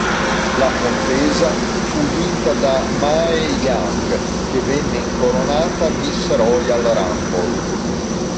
La contesa fu vinta da Mae Young che venne incoronata Miss Royal Rumble.